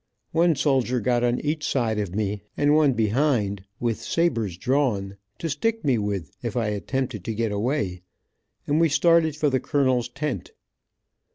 One soldier got on each side of me, and one behind with sabers drawn, to stick me with if I attempted to get away, and we started for the colonel's tent.